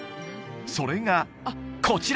それがこちら！